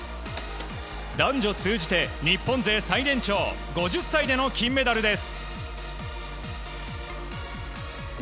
男女通じて日本勢最年長５０歳での金メダルです。